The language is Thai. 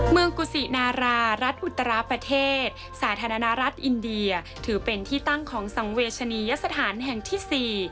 กุศินารารัฐอุตราประเทศสาธารณรัฐอินเดียถือเป็นที่ตั้งของสังเวชนียสถานแห่งที่๔